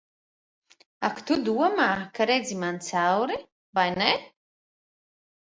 Ak, tu domā, ka redzi man cauri, vai ne?